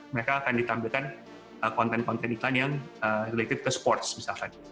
mereka akan ditampilkan konten konten iklan yang related ke sports misalkan